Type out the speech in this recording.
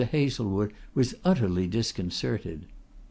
Hazlewood was utterly disconcerted.